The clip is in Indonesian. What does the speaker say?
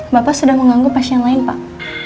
bapak sudah mengganggu pasien lain pak